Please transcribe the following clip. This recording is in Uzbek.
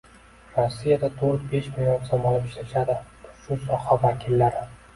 Rossiyada to'rt-besh million so‘m olib ishlashadi shu soha vakillari.